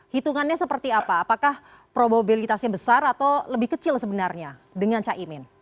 hitungannya seperti apa apakah probabilitasnya besar atau lebih kecil sebenarnya dengan caimin